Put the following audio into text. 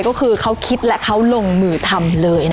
ก็คือเขาคิดและเขาลงมือทำเลย